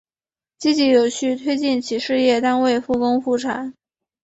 积极有序推进企事业单位复工复产